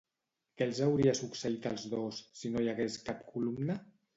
Què els hauria succeït als dos, si no hi hagués cap columna?